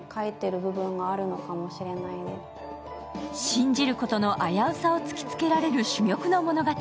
信じることの危うさを突きつけられる珠玉の物語。